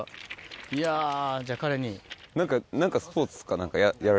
いやじゃあ彼に。